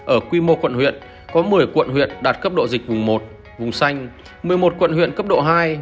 ở quy mô quận huyện có một mươi quận huyện đạt cấp độ dịch vùng một vùng xanh một mươi một quận huyện cấp độ hai